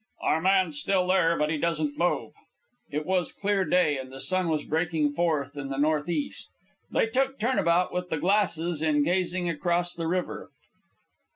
"Our man's still there, but he doesn't move." It was clear day, and the sun was breaking forth in the north east. They took turn about with the glasses in gazing across the river.